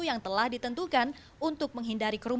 yang telah ditentukan untuk menghindari kerumunan